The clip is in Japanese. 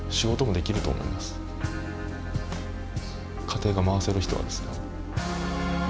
家庭が回せる人はですね。